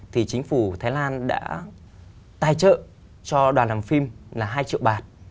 thì chính phủ thái lan đã tài trợ cho đoàn làm phim là hai triệu bản